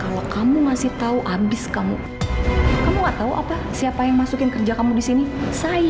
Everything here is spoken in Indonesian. kalau kamu ngasih tahu habis kamu kamu nggak tau apa siapa yang masukin kerja kamu disini saya